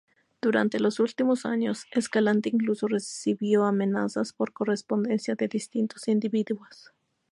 Durante los últimos años, Escalante incluso recibió amenazas por correspondencia de distintos individuos.